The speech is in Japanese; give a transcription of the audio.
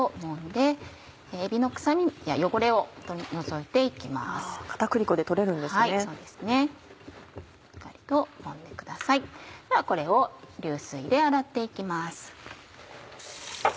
ではこれを流水で洗って行きます。